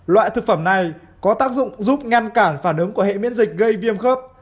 loại thực phẩm này có tác dụng giúp ngăn cản phản ứng của hệ miễn dịch gây viêm khớp